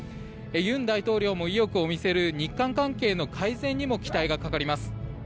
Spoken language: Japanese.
尹大統領も意欲を見せる日韓関係の改善にも期待がかかります。